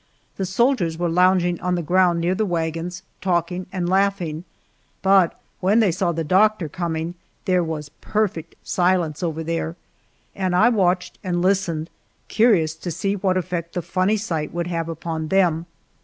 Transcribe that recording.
The soldiers were lounging on the ground near the wagons, talking and laughing; but when they saw the doctor coming, there was perfect silence over there, and I watched and listened, curious to see what effect the funny sight would have upon them.